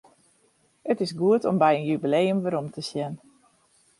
It is goed om by in jubileum werom te sjen.